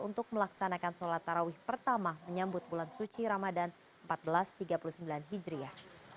untuk melaksanakan sholat tarawih pertama menyambut bulan suci ramadan seribu empat ratus tiga puluh sembilan hijriah